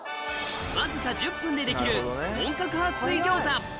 わずか１０分でできる本格派水餃子